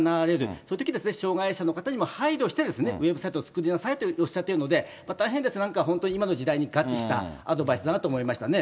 そういうときに障害者の方にも配慮して、ウェブサイトを作りなさいとおっしゃっているので、大変、本当に今の時代に合致したアドバイスだなと思いましたね。